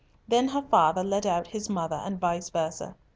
Then her father led out his mother, and vice verse.